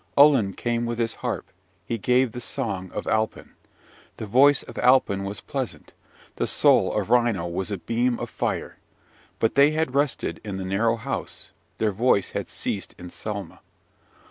Ullin came with his harp; he gave the song of Alpin. The voice of Alpin was pleasant, the soul of Ryno was a beam of fire! But they had rested in the narrow house: their voice had ceased in Selma!